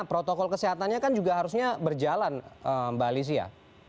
protokol kesehatannya kan juga harusnya berjalan mbak alicia